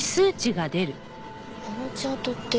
あのチャートって。